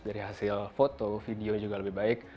dari hasil foto video juga lebih baik